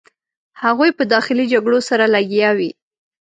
هغوی په داخلي جګړو سره لګیا وې.